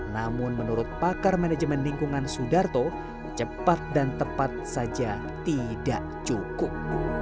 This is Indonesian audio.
namun menurut pakar manajemen lingkungan sudarto cepat dan tepat saja tidak cukup